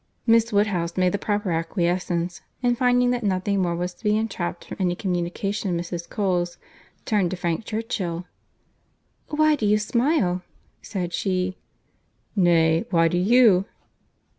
Miss Woodhouse made the proper acquiescence; and finding that nothing more was to be entrapped from any communication of Mrs. Cole's, turned to Frank Churchill. "Why do you smile?" said she. "Nay, why do you?"